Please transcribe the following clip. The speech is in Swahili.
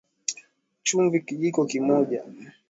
Chumvi Kijiko cha moja